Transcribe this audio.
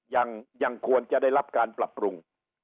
ยังควรจะได้รับการปรับปรุง